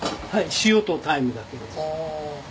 塩とタイムだけです」